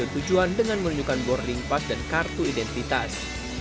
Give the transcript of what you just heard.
harganya di stasiun tujuan dengan menunjukkan boarding pass dan kartu identitas